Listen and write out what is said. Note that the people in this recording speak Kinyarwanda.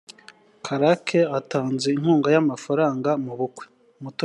karake atanze inkunga y amagafanga mu bukwe